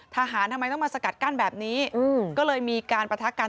ทำไมต้องมาสกัดกั้นแบบนี้ก็เลยมีการประทะกัน